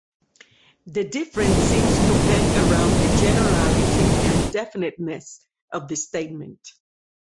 The difference seems to hang around the generality and definiteness of the statement.